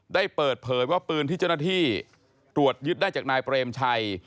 ได้เปิดเผยว่าปืนที่เจ้าหน้าที่ตรวจยึดได้จากนายเปรมชัย